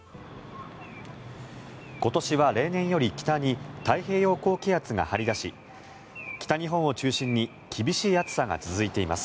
今年は例年より北に太平洋高気圧が張り出し北日本を中心に厳しい暑さが続いています。